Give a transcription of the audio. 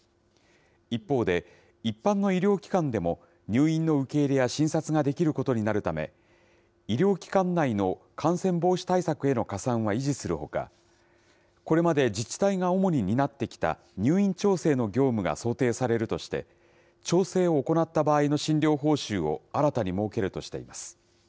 一方で、一般の医療機関でも入院の受け入れや診察ができることになるため、医療機関内の感染防止対策への加算は維持するほか、これまで自治体が主に担ってきた入院調整の業務が想定されるとして、調整を行った場合の診療報酬を新たに設けるとしています。